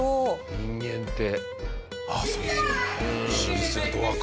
人間って。